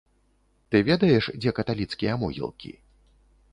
Ты ведаеш, дзе каталіцкія могілкі?